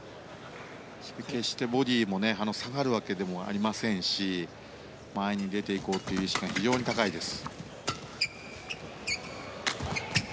決してボディーも下がるわけでもありませんし前に出ていこうという意識が非常に高いです。